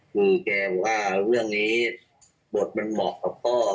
คือแกบอกว่าเรื่องนี้บทมันเหมาะกับพ่อ